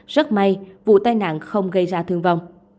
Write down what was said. rất may vụ tai nạn không gây ra thương vong